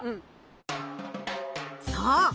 そう！